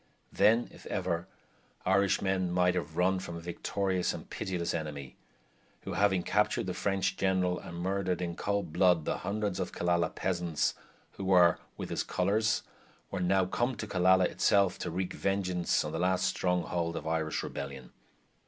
Then, if ever, Irishmen might have run from a victorious and pitiless enemy, who having captured the French general and murdered, in cold blood, the hundreds of Killala peasants who were with his colors, were now come to Killala itself to wreak vengeance on the last stronghold of Irish rebellion.